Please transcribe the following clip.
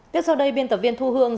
tiếp sau đây biên tập viên thu hương